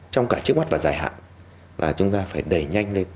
trong cả trước mắt và dài hạn là chúng ta phải đẩy nhanh lên